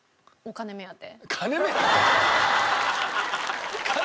金目当て！？